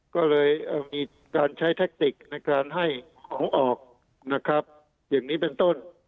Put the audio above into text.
ก็เลยมีการใช้แทคติกในการให้ของออกนะครับอย่างนี้เป็นต้น